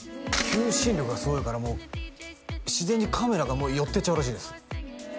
求心力がすごいからもう自然にカメラが寄ってっちゃうらしいです